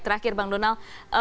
terakhir bang donal